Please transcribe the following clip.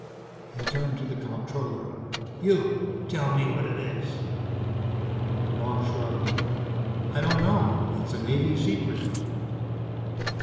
He turned to the comptroller. "You tell me what it is." Marc shrugged. "I don't know. It's a Navy secret."